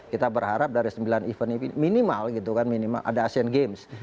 kita berharap dari sembilan event ini minimal gitu kan minimal ada asian games